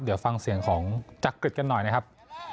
เดี๋ยวฟังเสียงของจักริจกันหน่อยนะครับ